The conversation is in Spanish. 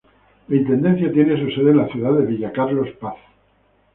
La intendencia tiene su sede en la ciudad de Villa Carlos Paz.